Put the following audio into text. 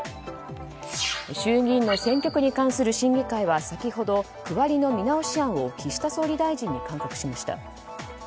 衆議院の選挙区に関する審議会は先ほど、区割りの見直し案を岸田総理大臣に勧告しました。